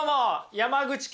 山口県